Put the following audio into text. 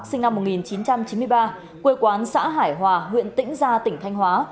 sinh năm một nghìn chín trăm chín mươi ba quê quán xã hải hòa huyện tĩnh gia tỉnh thanh hóa